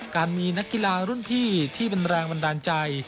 การมีนักกีฬารุ่นพี่ที่เป็นแรงบันดาลใจ